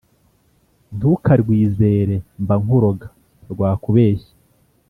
Ntukarwizere mba nkuroga rwakubeshya